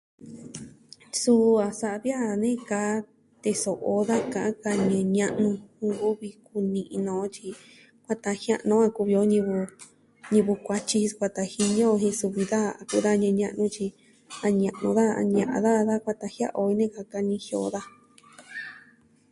Suu a sa'a vi a nejika teso'o o da ka'an da ñivɨ ña'nu nkuvi kuni'i nuu on tyi sukuatan jia'nu on a kuvi on ñivɨ, ñivɨ kuatyi sukuatan jini on jen suvi daja a kuvi daja ñivɨ ña'nu tyi a ña'nu daja a ña'an daja da sukuatan jia'an on jen ntu kanijia o daja.